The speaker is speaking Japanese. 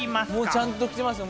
ちゃんと着てます。